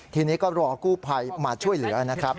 ทีนี้ก็รอกู้ภัยมาช่วยเหลือนะครับ